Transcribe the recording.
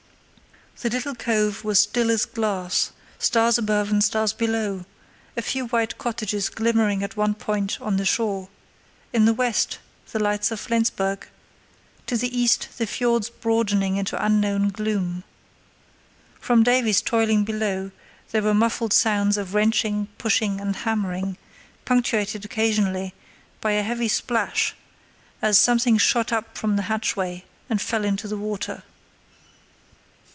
The little cove was still as glass; stars above and stars below; a few white cottages glimmering at one point on the shore; in the west the lights of Flensburg; to the east the fiord broadening into unknown gloom. From Davies toiling below there were muffled sounds of wrenching, pushing, and hammering, punctuated occasionally by a heavy splash as something shot up from the hatchway and fell into the water.